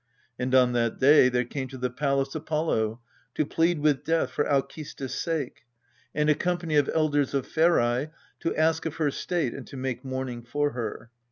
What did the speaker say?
And on that day there came to the palace Apollo to plead with Death for Alcestis's sake; and a company of elders of Pherae, to ask of her state and to make mourning for her.